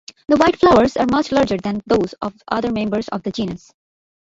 The white flowers are much larger than those of other members of the genus.